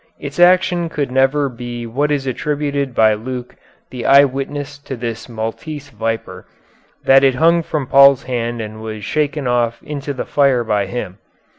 Its action could never be what is attributed by Luke the eye witness to this Maltese viper; that it hung from Paul's hand and was shaken off into the fire by him.